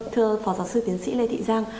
thưa phó giáo sư tiến sĩ lê thị giang